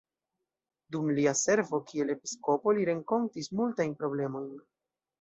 Dum lia servo kiel episkopo, li renkontis multajn problemojn.